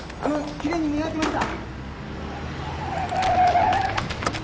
きれいに磨きました。